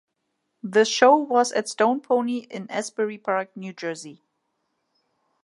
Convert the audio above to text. The show was at Stone Pony in Asbury Park, New Jersey.